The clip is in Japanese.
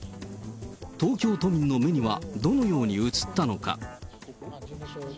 東京都民の目にはどのように映ったのか。